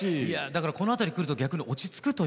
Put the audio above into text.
だからこの辺り来ると逆に落ち着くというかね